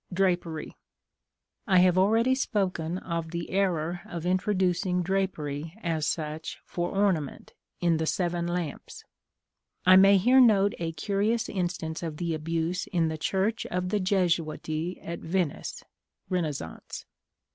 Drapery. I have already spoken of the error of introducing drapery, as such, for ornament, in the "Seven Lamps." I may here note a curious instance of the abuse in the church of the Jesuiti at Venice (Renaissance).